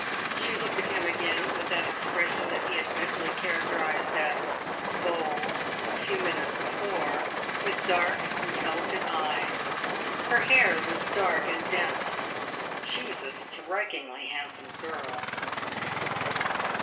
She looked at him again, with that expression that he had mentally characterized as "bold," a few minutes before with dark, intelligent eyes. Her hair was dark and dense; she was a strikingly handsome girl.